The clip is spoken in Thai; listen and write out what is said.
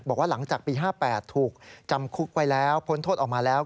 บอกว่าหลังจากปี๕๘ถูกจำคุกไปแล้วพ้นโทษออกมาแล้ว